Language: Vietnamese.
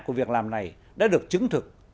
của việc làm này đã được chứng thực